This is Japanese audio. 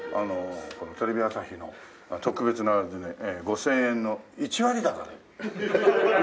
このテレビ朝日の特別なあれでね５０００円の１割高で。